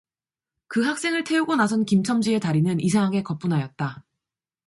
그 학생을 태우고 나선 김첨지의 다리는 이상하게 거뿐하였다.